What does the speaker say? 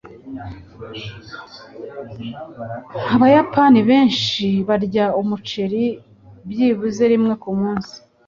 Abayapani benshi barya umuceri byibuze rimwe kumunsi.